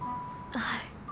はい。